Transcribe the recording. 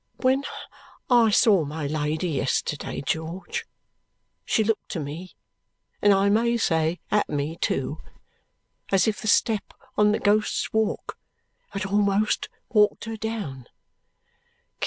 "When I saw my Lady yesterday, George, she looked to me and I may say at me too as if the step on the Ghost's Walk had almost walked her down."